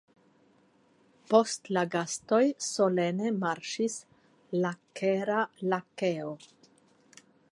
Post la gastoj solene marŝis la Kera Lakeo.